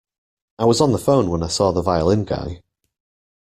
I was on the phone when I saw the violin guy.